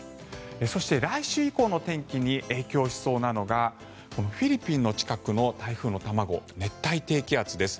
そして、来週以降の天気に影響しそうなのがフィリピンの近くの台風の卵、熱帯低気圧です。